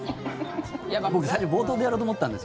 僕、最初冒頭でやろうと思ったんですよ。